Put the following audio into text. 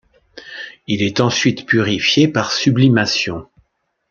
Il est ensuite purifié par sublimation.